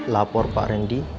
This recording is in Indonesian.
lapor pak rendy